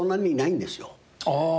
ああ